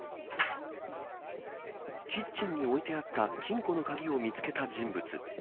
キッチンに置いてあった金庫の鍵を見つけた人物。